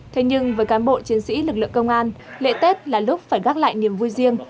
thế nhưng với cán bộ chiến sĩ lực lượng công an lễ tết là lúc phải gác lại niềm vui riêng